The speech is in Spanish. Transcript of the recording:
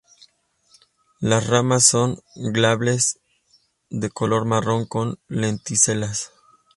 Las ramas son glabras de color marrón, con lenticelas.